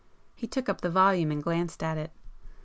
He took up the volume and glanced at it.